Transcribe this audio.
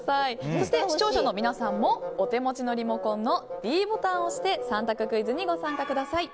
そして視聴者の皆さんもお手持ちのリモコンのｄボタンを押して３択クイズにご参加ください。